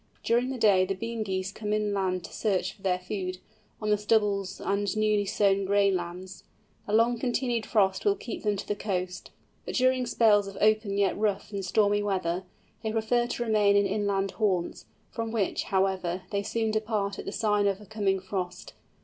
During the day the Bean Geese come inland to search for their food, on the stubbles and newly sown grain lands. A long continued frost will keep them to the coast; but during spells of open, yet rough and stormy weather, they prefer to remain in inland haunts, from which, however, they soon depart at the sign of a coming frost.